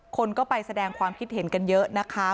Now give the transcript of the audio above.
คนก็ไปแสดงความคิดเห็นกันเยอะนะคะ